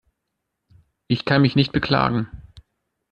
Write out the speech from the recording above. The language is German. Ich kann mich nicht beklagen.